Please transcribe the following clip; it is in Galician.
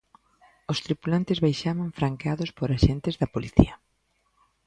Os tripulantes baixaban franqueados por axentes da policía.